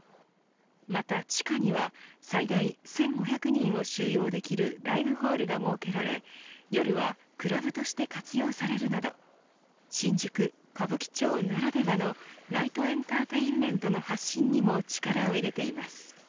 また地下には最大１５００人を収容できるライブホールが設けられ夜はクラブとして活用されるなど新宿、歌舞伎町ならではのナイトエンターテインメントの発信にも力を入れています。